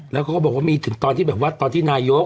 แล้วเขาก็บอกว่ามีถึงตอนที่แบบว่าตอนที่นายก